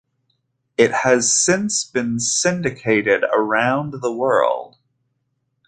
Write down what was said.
It has since been syndicated around the world.